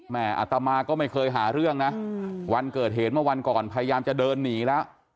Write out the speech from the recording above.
อัตมาก็ไม่เคยหาเรื่องนะวันเกิดเหตุเมื่อวันก่อนพยายามจะเดินหนีแล้ว